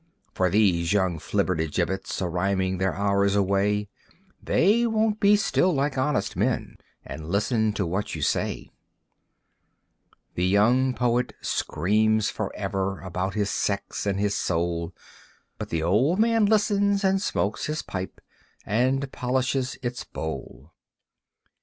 For these young flippertigibbets A rhyming their hours away They won't be still like honest men And listen to what you say. The young poet screams forever About his sex and his soul; But the old man listens, and smokes his pipe, And polishes its bowl.